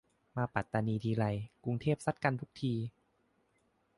มาปัตตานีทีไร กรุงเทพซัดกันทุกที